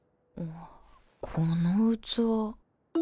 この器